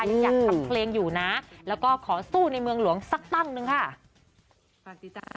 ยังอยากทำเพลงอยู่นะแล้วก็ขอสู้ในเมืองหลวงสักตั้งหนึ่งค่ะ